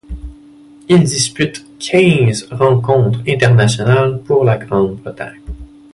Il dispute quinze rencontres internationales pour la Grande-Bretagne.